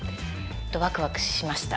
ワクワクしました。